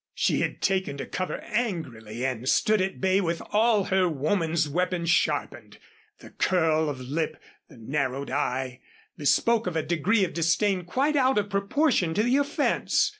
She had taken to cover angrily and stood at bay with all her woman's weapons sharpened. The curl of lip and narrowed eye bespoke a degree of disdain quite out of proportion to the offense.